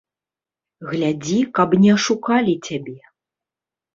Глядзі, каб не ашукалі цябе.